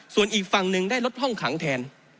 ส่วนอีกฝั่งหนึ่งได้ลดห้องขังแทน